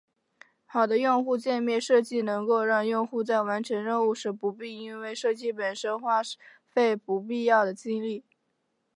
好的用户界面设计能够让用户在完成任务时不必因为设计本身花费不必要的精力。